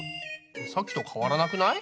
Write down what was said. さっきと変わらなくない？